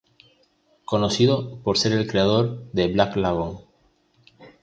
Conocido por ser el creador de Black Lagoon.